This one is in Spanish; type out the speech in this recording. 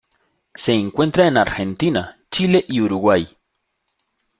Se encuentra en Argentina, Chile y Uruguay.